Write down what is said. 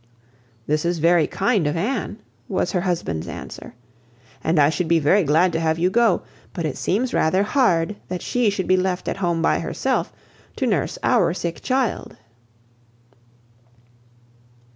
"This is very kind of Anne," was her husband's answer, "and I should be very glad to have you go; but it seems rather hard that she should be left at home by herself, to nurse our sick child."